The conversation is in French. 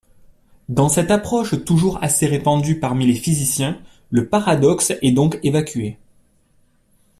Dans cette approche toujours assez répandue parmi les physiciens, le paradoxe est donc évacué.